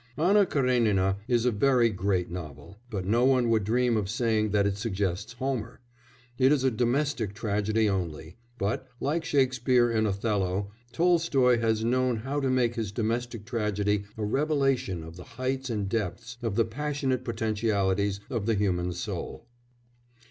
Anna Karénina is a very great novel, but no one would dream of saying that it suggested Homer. It is a domestic tragedy only, but, like Shakespeare in Othello, Tolstoy has known how to make his domestic tragedy a revelation of the heights and depths, of the passionate potentialities of the human soul.